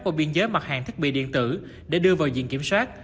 qua biên giới mặt hàng thiết bị điện tử để đưa vào diện kiểm soát